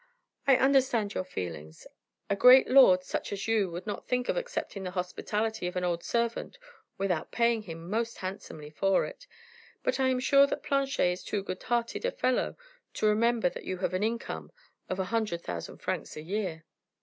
"I understand your feelings; a great lord such as you would not think of accepting the hospitality of an old servant without paying him most handsomely for it: but I am sure that Planchet is too good hearted a fellow to remember that you have an income of a hundred thousand francs a year."